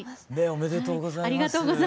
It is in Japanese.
ありがとうございます。